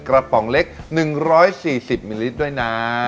ป๋องเล็ก๑๔๐มิลลิตรด้วยนะ